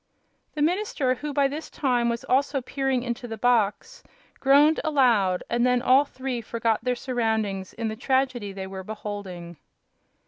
The minister, who by this time was also peering into the box, groaned aloud, and then all three forgot their surroundings in the tragedy they were beholding.